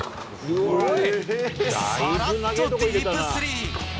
さらっとディープスリー。